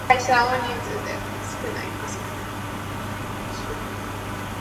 Roncalio was born to an Italian immigrant family in Rock Springs, Wyoming.